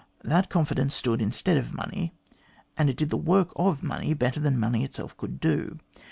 That confidence stood instead of money, and it did the work of money better than money itself could do.